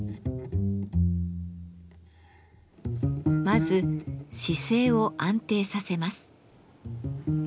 まず姿勢を安定させます。